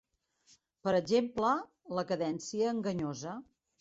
Per exemple, la cadència enganyosa.